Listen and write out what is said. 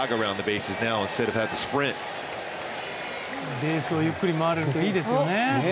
ベースをゆっくり回れるといいですよね。